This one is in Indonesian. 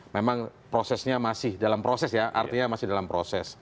memang prosesnya masih dalam proses ya artinya masih dalam proses